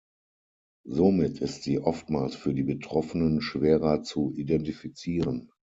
Somit ist sie oftmals für die Betroffenen schwerer zu identifizieren.